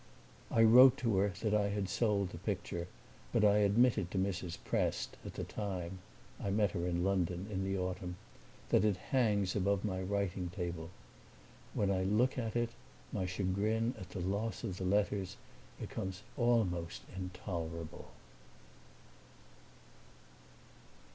I wrote to her that I had sold the picture, but I admitted to Mrs. Prest, at the time (I met her in London, in the autumn), that it hangs above my writing table. When I look at it my chagrin at the loss of the letters becomes almost intolerable.